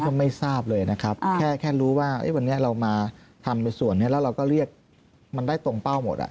ก็ไม่ทราบเลยนะครับแค่รู้ว่าวันนี้เรามาทำในส่วนนี้แล้วเราก็เรียกมันได้ตรงเป้าหมดอ่ะ